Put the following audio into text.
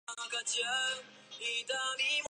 福島県桑折町